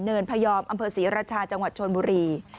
พยอมอำเภอศรีราชาจังหวัดชนบุรี